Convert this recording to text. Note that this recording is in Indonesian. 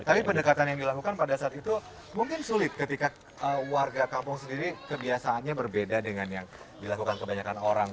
tapi pendekatan yang dilakukan pada saat itu mungkin sulit ketika warga kampung sendiri kebiasaannya berbeda dengan yang dilakukan kebanyakan orang